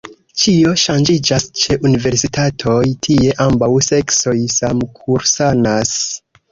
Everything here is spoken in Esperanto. Ĉio ŝanĝiĝas ĉe universitatoj: tie ambaŭ seksoj samkursanas.